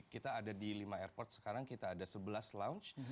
kita ada di lima airport sekarang kita ada sebelas lounge